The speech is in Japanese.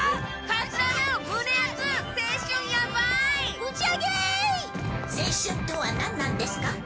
青春とはなんなんですか？